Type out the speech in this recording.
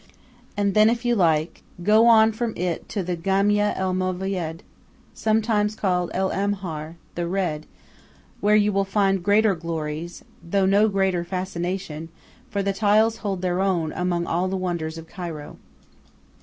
And then, if you like go on from it to the Gamia El Movayad, sometimes called El Ahmar, "The Red," where you will find greater glories, though no greater fascination; for the tiles hold their own among all the wonders of Cairo.